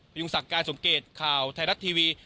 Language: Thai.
ยุงศักดิ์การสมเกตข่าวไทยรัฐทีวี